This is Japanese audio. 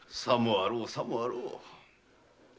さもあろうさもあろう。